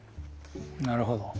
なるほど。